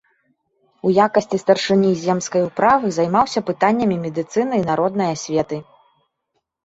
У якасці старшыні земскай управы займаўся пытаннямі медыцыны і народнай асветы.